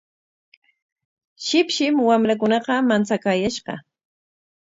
Shipshim wamrakunaqa manchakaayashqa.